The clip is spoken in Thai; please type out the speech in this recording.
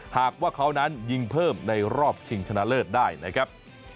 หากว่าเขานั้นยิงเพิ่มในรอบชิงชนะเลิศได้นะครับ